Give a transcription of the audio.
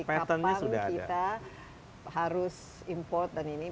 kapan kita harus import dan ini